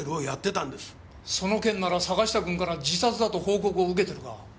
その件なら坂下君から自殺だと報告を受けているが。